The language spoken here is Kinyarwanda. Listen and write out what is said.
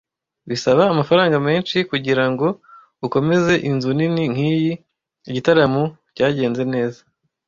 Bisaba amafaranga menshi kugirango ukomeze inzu nini nkiyi. Igitaramo cyagenze neza.